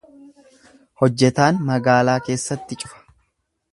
Hojjetaan magaalaa keessatti cufa.